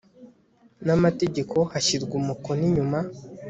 n amategeko hashyirwa umukono inyuma